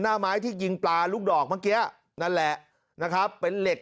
หน้าไม้ที่ยิงปลาลูกดอกเมื่อกี้นั่นแหละนะครับเป็นเหล็ก